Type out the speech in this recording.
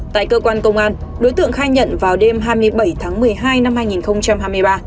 tại cơ quan công an đối tượng khai nhận vào đêm hai mươi bảy tháng một mươi hai năm hai nghìn hai mươi ba